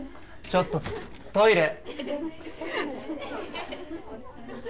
ちょっとトイレ。